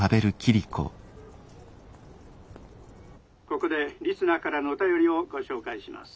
「ここでリスナーからのお便りをご紹介します。